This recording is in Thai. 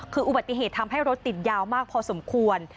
คืออุบัติเหตุทำให้รถติดยาวมากพอสมควร